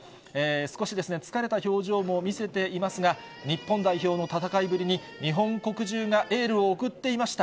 少し疲れた表情も見せていますが、日本代表の戦いぶりに日本国中がエールを送っていました。